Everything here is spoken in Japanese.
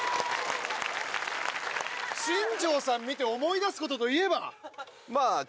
新庄さん見て思い出すことといえば？